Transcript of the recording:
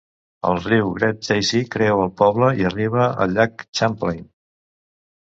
El riu Great Chazy creua el poble i arriba al llac Champlain.